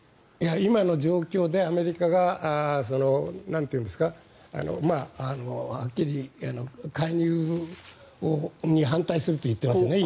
今の状況でアメリカがはっきり、介入に反対すると言っていますね。